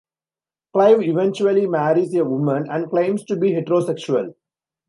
Clive eventually marries a woman and claims to be heterosexual.